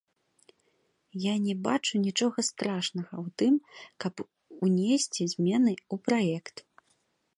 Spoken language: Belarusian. Я не бачу нічога страшнага ў тым, каб унесці змены ў праект.